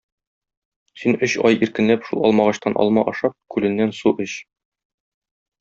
Син өч ай иркенләп шул алмагачтан алма ашап, күленнән су эч.